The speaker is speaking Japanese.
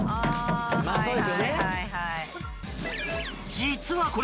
［実はこれ］